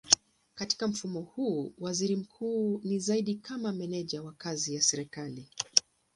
Katika mfumo huu waziri mkuu ni zaidi kama meneja wa kazi ya serikali.